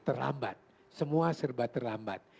terlambat semua serba terlambat